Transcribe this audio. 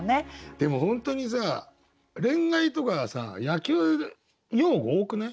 でも本当にさ恋愛とかはさ野球用語多くない？